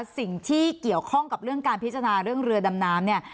สิ่งที่เกี่ยวข้องกับเรื่องการพิจารณาเรื่องเรือดำน้ำเนี่ย